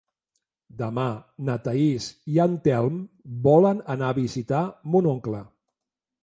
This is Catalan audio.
Demà na Thaís i en Telm volen anar a visitar mon oncle.